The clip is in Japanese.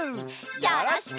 よろしく！